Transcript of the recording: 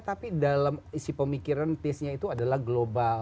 tapi dalam isi pemikiran taste nya itu adalah global